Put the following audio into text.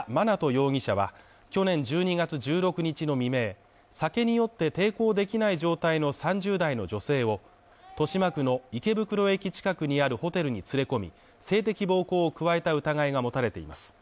容疑者は去年１２月１６日の未明、酒に酔って抵抗できない状態の３０代の女性を豊島区の池袋駅近くにあるホテルに連れ込み、性的暴行を加えた疑いが持たれています。